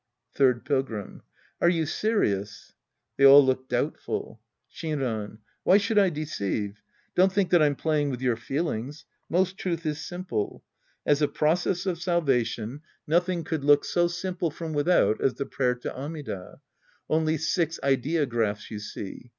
Third Pilgrim. Are you serious ? {J^hey all look doubtful^ Shinran. Why should I deceive? Don't think that I'm playing with your feelings. Most truth is simple. As a process "of salvation, nothing could' gO Ttie Priest and His Disciples Act ll look so simple from without as the prayer to Amida. Only six ideographs, you see.